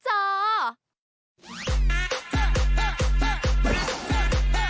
เพราะหนุ่มหล่อนายนพัฒน์แอ่นเพื่อนพองและผ่องเพื่อน